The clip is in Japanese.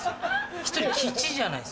１人「吉」じゃないですか。